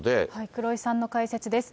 黒井さんの解説です。